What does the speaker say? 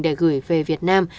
để gửi về việt nam